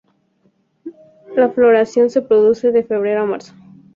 La floración se produce de febrero a marzo.